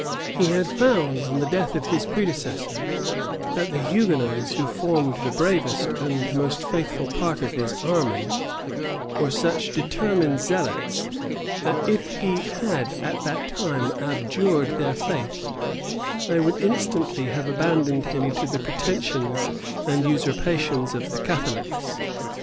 He had found, on the death of his predecessor, that the Hugonots, who formed the bravest and most faithful part of his army, were such determined zealots, that if he had at that time abjured their faith, they would instantly have abandoned him to the pretensions and usurpations of the Catholics.